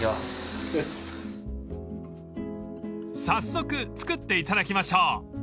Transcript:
［早速作っていただきましょう］